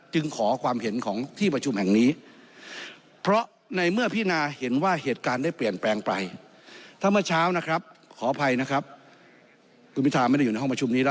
ถ้าไม่ได้อยู่ในห้องประชุมนี้แล้ว